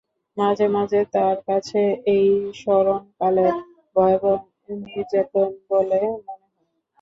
মাঝে মাঝে তার কাছে এটা স্মরণকালের ভয়াবহ নির্যাতন বলে মনে হয়।